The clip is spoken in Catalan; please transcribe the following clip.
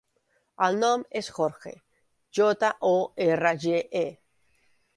El meu nom és Jorge: jota, o, erra, ge, e.